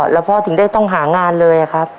แล้วพ่อถึงได้ต้องหางานเลยครับ